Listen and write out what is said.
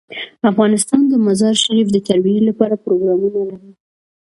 افغانستان د مزارشریف د ترویج لپاره پروګرامونه لري.